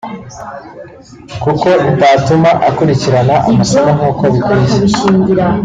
kuko itatuma akurikirana amasomo nkuko bikwiye